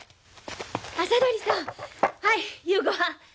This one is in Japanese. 麻鳥さんはい夕ごはん。